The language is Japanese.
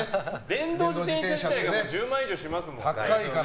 電動自転車自体が１０万円以上しますもんね。